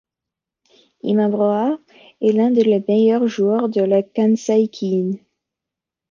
Imamura est l'un des meilleurs joueurs de la Kansai Ki-in.